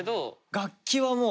楽器はもう。